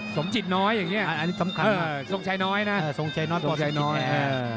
สมจิตน้อยอย่างนี้อันนี้สำคัญทรงชัยน้อยนะทรงชัยน้อยทรงชัยน้อย